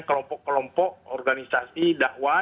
kelompok kelompok organisasi dakwah